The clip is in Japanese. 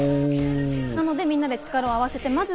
なのでみんなで力を合わせて。